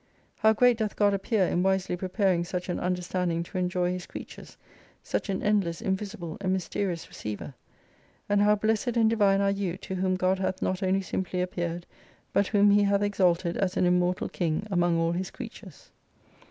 How great doth God appear, in wisely preparing such an understanding to enjoy His creatures ; such an end less, invisible, and mysterious receiver ! And how blessed and divine are you, to whom God hath not only simply appeared, but whom He hath exalted as an Immortal King among all His creatures